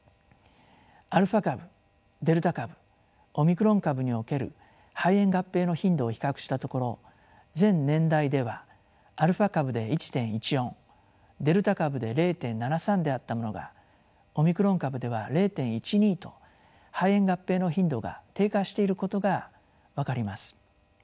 アルファ株デルタ株オミクロン株における肺炎合併の頻度を比較したところ全年代ではアルファ株で１．１４デルタ株で０．７３であったものがオミクロン株では０．１２と肺炎合併の頻度が低下していることが分かります。